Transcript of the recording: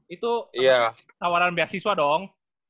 itu tawaran beasiswa dong